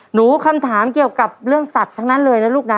คำถามเกี่ยวกับเรื่องสัตว์ทั้งนั้นเลยนะลูกนะ